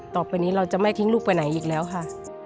ต่อไปนี้เราจะไม่ทิ้งลูกไปไหนอีกแล้วค่ะ